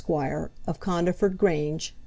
of Condaford Grange, co.